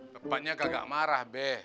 tepatnya kagak marah be